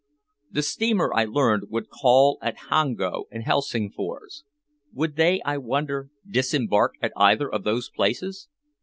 The steamer, I learned, would call at Hango and Helsingfors. Would they, I wonder, disembark at either of those places?